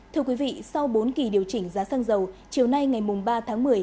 thưa quý vị sau bốn kỳ điều chỉnh giá xăng dầu chiều nay ngày ba tháng một mươi